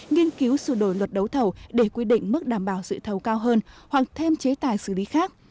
nghiên cứu sửa đổi luật đấu thầu để quy định mức đảm bảo dự thầu cao hơn hoặc thêm chế tài xử lý khác